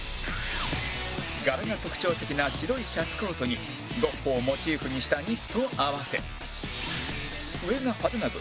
柄が特徴的な白いシャツコートにゴッホをモチーフにしたニットを合わせ上が派手な分